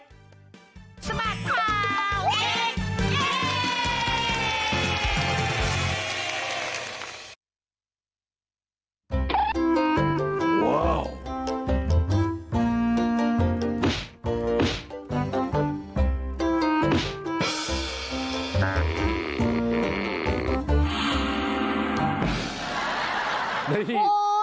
สบัดเท่าเด็ก